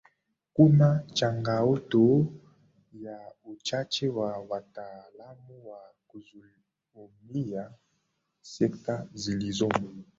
Kuna changaoto ya uchache wa wataalamu wa kuzihudumia sekta zilizomo